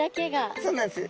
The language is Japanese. そうなんです。